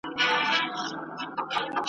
د ښار خلکو وو سل ځله آزمېیلی `